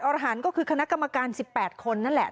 ๑๘อรหันต์ก็คือคณะกรรมการ๑๘คนนั่นแหละ